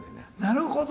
なるほど。